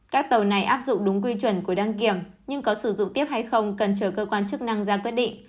các tàu này áp dụng đúng quy chuẩn của đăng kiểm nhưng có sử dụng tiếp hay không cần chờ cơ quan chức năng ra quyết định